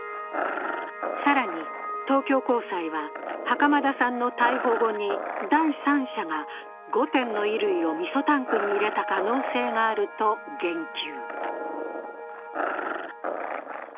更に東京高裁は、袴田さんの逮捕後に第三者が５点の衣類をみそタンクに入れた可能性があると言及。